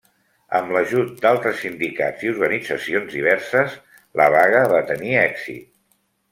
Amb l'ajut d'altres sindicats i organitzacions diverses, la vaga va tenir èxit.